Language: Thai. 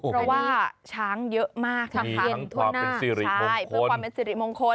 เพราะว่าช้างเยอะมากค่ะทั้งความเป็นสิริมงคล